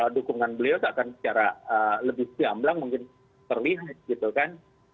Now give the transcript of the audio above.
dukungan beliau akan secara lebih gamblang mungkin terlihat gitu kan